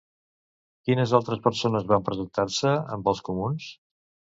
Quines altres persones van presentar-se amb els comuns?